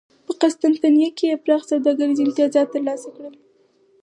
په قسطنطنیه کې یې پراخ سوداګریز امتیازات ترلاسه کړل